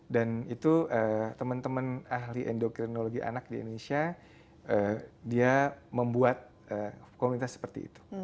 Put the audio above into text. dan itu teman teman ahli endokrinologi anak di indonesia dia membuat komunitas seperti itu